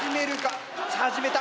始めた。